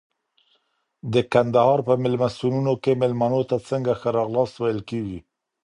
د کندهار په مېلمستونونو کي مېلمنو ته څنګه ښه راغلاست ویل کېږي؟